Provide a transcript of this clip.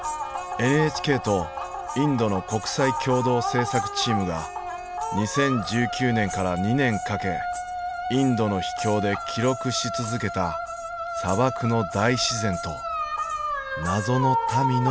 ＮＨＫとインドの国際共同制作チームが２０１９年から２年かけインドの秘境で記録し続けた砂漠の大自然と謎の民の足跡。